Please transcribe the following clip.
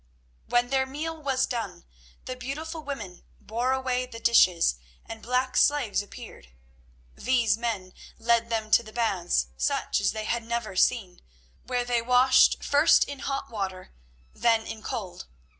When their meal was done, the beautiful women bore away the dishes, and black slaves appeared. These men led them to baths such as they had never seen, where they washed first in hot water, then in cold.